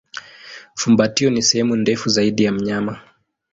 Fumbatio ni sehemu ndefu zaidi ya mnyama.